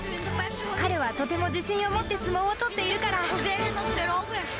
彼はとても自信を持って相撲を取っているから。